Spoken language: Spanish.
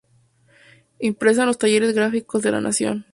Impresa en los talleres gráficos de la Nación.